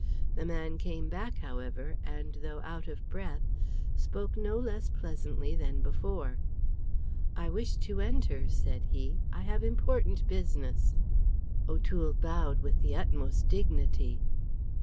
The man came back, however, and though out of breath, spoke no less pleasantly than before. "I wish to enter," said he. "I have important business." O'Toole bowed with the utmost dignity.